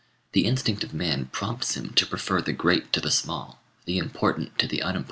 The instinct of man prompts him to prefer the great to the small, the important to the unimportant.